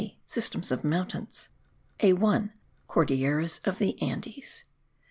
SYSTEMS OF MOUNTAINS. A.1. CORDILLERAS OF THE ANDES.